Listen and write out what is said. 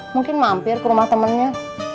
mungkin mampir ke rumah temennya